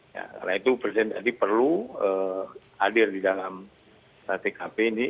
karena itu presiden tadi perlu hadir di dalam praktek hp ini